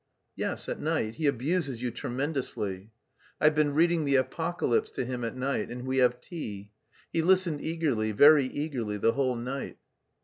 "Yes, at night. He abuses you tremendously. I've been reading the 'Apocalypse' to him at night, and we have tea. He listened eagerly, very eagerly, the whole night."